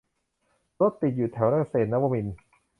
รถติดอยู่แถวเกษตรนวมินทร์